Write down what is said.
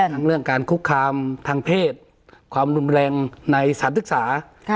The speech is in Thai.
เรื่องการคุกคามทางเพศความรุนแรงในสถานศึกษา